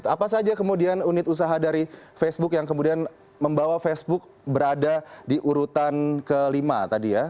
apa saja kemudian unit usaha dari facebook yang kemudian membawa facebook berada di urutan kelima tadi ya